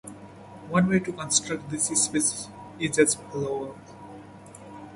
One way to construct this space is as follows.